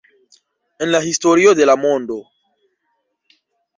En la historio de la mondo